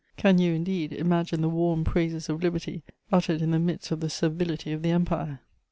Can you, indeed, imagine the warm praises of liberty uttered in the midst of the servility of the Empire?